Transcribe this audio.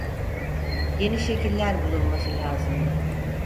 Yeni şekiller bulunması lazımdı.